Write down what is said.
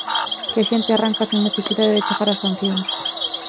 Que a xente arranca sen necesidade de chegar ás sancións.